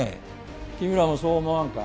君らもそう思わんか？